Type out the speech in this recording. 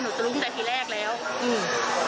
หนูจะลุกตั้งแต่ทีแรกแล้วอืม